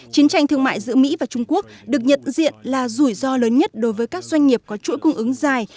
chiến tranh thương mại giữa mỹ và trung quốc được nhận diện là rủi ro lớn nhất đối với các doanh nghiệp có chuỗi cung ứng dài